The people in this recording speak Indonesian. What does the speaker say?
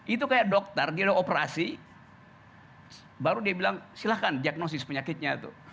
itu kayak dokter dia udah operasi baru dia bilang silahkan diagnosis penyakitnya tuh